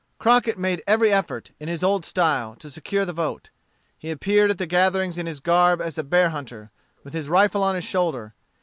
Crockett made every effort, in his old style, to secure the vote. He appeared at the gatherings in his garb as a bear hunter, with his rifle on his shoulder.